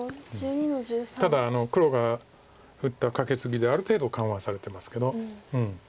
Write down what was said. ただ黒が打ったカケツギである程度緩和されてますけど。